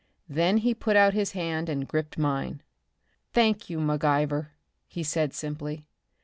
Then he put out his hand and gripped mine. "Thank you, McIver," he said, simply.